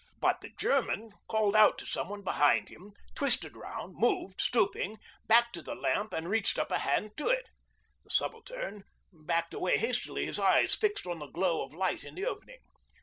But the German called out to some one behind him, twisted round, moved, stooping, back to the lamp and reached up a hand to it. The Subaltern backed away hastily, his eyes fixed on the glow of light in the opening.